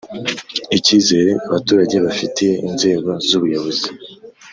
Icyizere abaturage bafitiye inzego z ubuyobozi